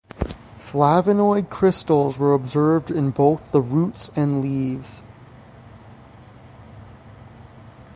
Flavonoid crystals were observed in both the roots and leaves.